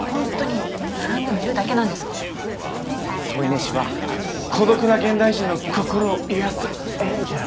添い寝士は孤独な現代人の心を癒やすエンジェル。